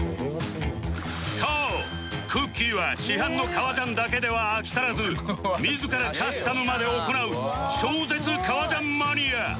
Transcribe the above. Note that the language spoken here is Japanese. そうくっきー！は市販の革ジャンだけでは飽き足らず自らカスタムまで行う超絶革ジャンマニア